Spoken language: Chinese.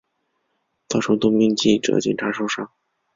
造成多名记者警察受伤